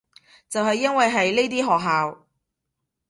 就係因為係呢啲學校